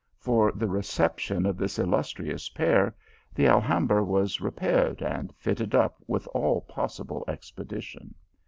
For the reception of this illustrious pair, the Alhambra was repaired and fitted up with all possible expedi tion.